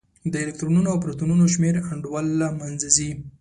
د الکترونونو او پروتونونو شمېر انډول له منځه ځي.